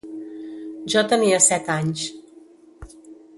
Jo tenia set anys.